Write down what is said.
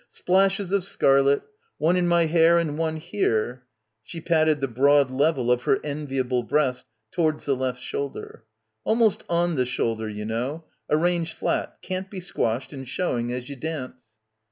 Splashes of scarlet. One in my hair and one here." She patted the broad level of her enviable breast towards the left shoulder. 4 8 BACKWATER "Almost on the shoulder, you know — arranged flat, can't be squashed and showing as you dance."